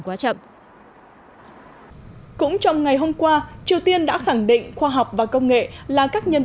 quá chậm cũng trong ngày hôm qua triều tiên đã khẳng định khoa học và công nghệ là các nhân